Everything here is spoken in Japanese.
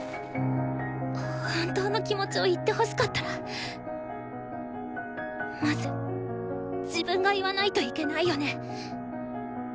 本当の気持ちを言ってほしかったらまず自分が言わないといけないよね。